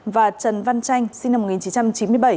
và trần văn tranh sinh năm một nghìn chín trăm chín mươi bảy